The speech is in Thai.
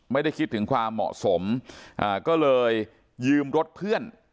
ไม่ได้คิดถึงความเหมาะสมก็เลยยืมรถเพื่อน